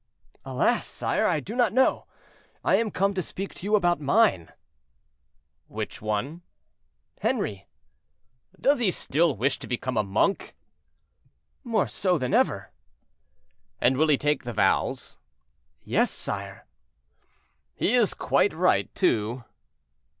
"Alas! sire, I do not know; I am come to speak to you about mine." "Which one?"—"Henri." "Does he still wish to become a monk?" "More so than ever." "And will he take the vows?" "Yes, sire." "He is quite right, too."